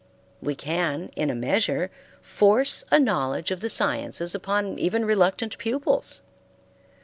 We can, in a measure, force a knowledge of the sciences upon even reluctant pupils.